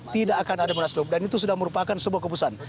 tidak akan ada munaslup dan itu sudah merupakan sebuah keputusan